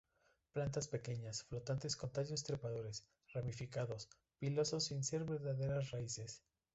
Plantas pequeñas, flotantes con tallos trepadores, ramificados, pilosos sin ser verdaderas raíces.